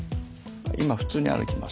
今普通に歩きます。